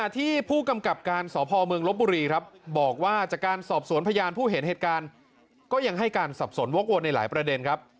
ที่ผู้กำกับการสพเมืองลบบุรีครับบอกว่าจากการสอบสวนพยานผู้เห็นเหตุการณ์ก็ยังให้การสับสนวกวนในหลายประเด็นครับ